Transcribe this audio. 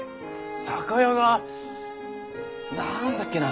酒屋が何だっけな？